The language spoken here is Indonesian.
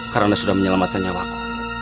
karena sudah menyelamatkan nyawaku